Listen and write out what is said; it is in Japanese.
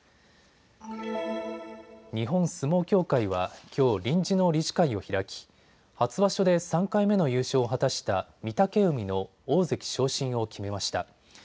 日本相撲協会はきょう臨時の理事会を開き初場所で３回目の優勝を果たした御嶽海の大関昇進を決めました。